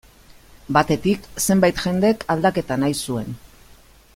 Batetik, zenbait jendek aldaketa nahi zuen.